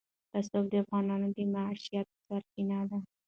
رسوب د افغانانو د معیشت سرچینه ده.